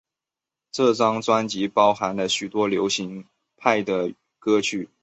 这张专辑包含了许多音乐流派的歌曲。